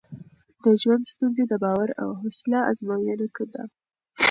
د ژوند ستونزې د باور او حوصله ازموینه ده.